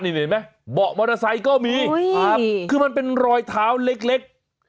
เห็นไหมเบาะมอเตอร์ไซค์ก็มีครับคือมันเป็นรอยเท้าเล็ก